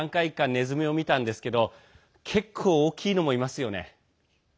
ネズミを見たんですけど結構、大きいのもいますよね。